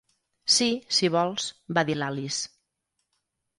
"Sí, si vols", va dir l'Alice.